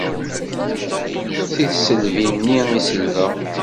Si tisselbi-nni i selbeɣ.